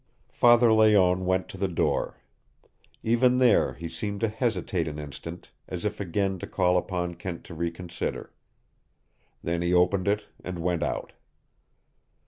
Father Layonne went to the door. Even there he seemed to hesitate an instant, as if again to call upon Kent to reconsider. Then he opened it and went out.